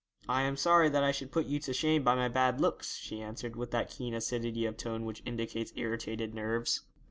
'I am sorry that I should put you to shame by my bad looks,' she answered, with that keen acidity of tone which indicates irritated nerves.